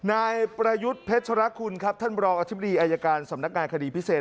นายประยุทธ์เพชรคุณครับท่านบรองอธิบดีอายการสำนักงานคดีพิเศษ